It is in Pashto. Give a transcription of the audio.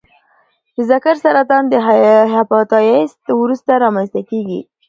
د ځګر سرطان د هپاتایتس وروسته رامنځته کېږي.